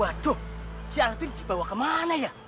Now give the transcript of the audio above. waduh si alvin dibawa ke mana ya